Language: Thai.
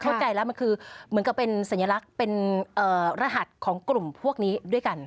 เข้าใจแล้วมันคือเหมือนกับเป็นสัญลักษณ์เป็นรหัสของกลุ่มพวกนี้ด้วยกัน